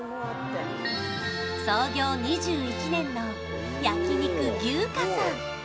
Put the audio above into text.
創業２１年の焼肉牛花さん